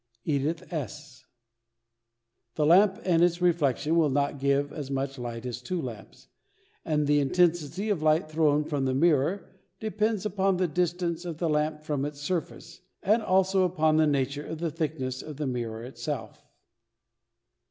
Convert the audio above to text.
EDITH S. The lamp and its reflection will not give as much light as two lamps, and the intensity of light thrown from the mirror depends upon the distance of the lamp from its surface, and also upon the nature and thickness of the mirror itself.